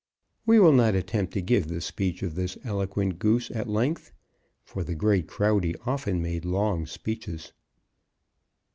We will not attempt to give the speech of this eloquent Goose at length, for the great Crowdy often made long speeches.